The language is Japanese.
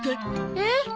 えっ？